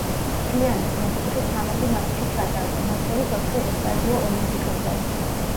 მთლიანად, მეხიკოში ცამეტი მატჩი ჩატარდა, მათ შორის ოთხი ესტადიო „ოლიმპიკოზე“.